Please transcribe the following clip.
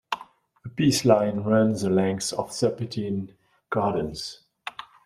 A peace line runs the length of Serpentine Gardens.